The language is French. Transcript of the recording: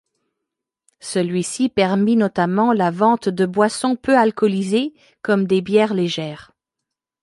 Celui-ci permit notamment la vente de boissons peu alcoolisées, comme des bières légères.